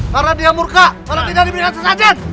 karena dia murka karena tidak diberikan sesajen